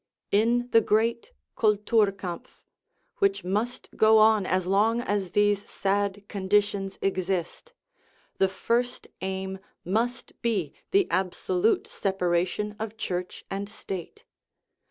In the great cultur kampf , which must go on as long as these sad conditions exist, the first aim must be the absolute separation of Church and State.